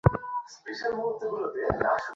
হয়তো অন্য কোনো কামরুদিন সম্পর্কে লিখেছেন।